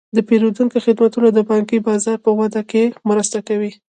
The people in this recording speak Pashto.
د پیرودونکو خدمتونه د بانکي بازار په وده کې مرسته کوي.